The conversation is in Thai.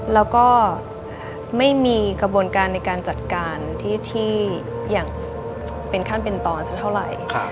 แล้วก็ไม่มีกระบวนการในการจัดการที่อย่างเป็นขั้นเป็นตอนสักเท่าไหร่